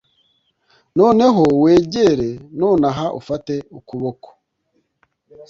noneho wegere nonaha ufate ukuboko